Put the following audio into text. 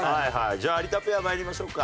じゃあ有田ペア参りましょうか。